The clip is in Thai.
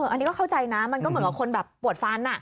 อันนี้ก็เข้าใจนะมันก็เหมือนกับคนแบบปวดฟัน